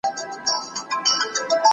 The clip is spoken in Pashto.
دا زدکړه له هغه ګټوره ده،